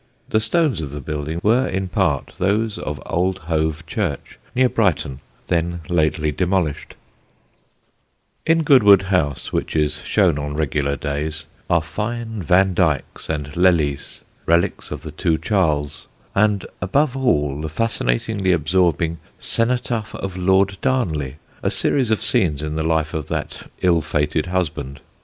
The stones of the building were in part those of old Hove church, near Brighton, then lately demolished. [Sidenote: THE CENOTAPH OF DARNLEY] In Goodwood House, which is shown on regular days, are fine Vandycks and Lelys, relics of the two Charles', and above all the fascinatingly absorbing "Cenotaph of Lord Darnley," a series of scenes in the life of that ill fated husband.